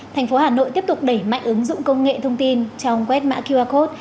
thành phố hà nội tiếp tục đẩy mạnh ứng dụng công nghệ thông tin trong quét mã qr code